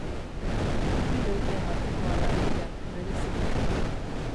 Bi horien artekoa da lehia, bereziki.